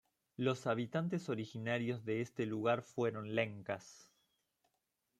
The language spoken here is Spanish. Los habitantes originarios de este lugar fueron Lencas.